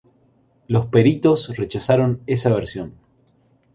Los peritos rechazaron esa versión.